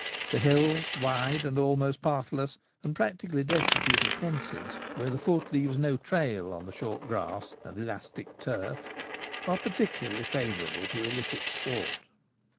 The hills — wide and almost pathless, and practically des titute of fences — where the foot leaves no trail on the short grass and elastic turf, are peculiarly favour able to illicit sport.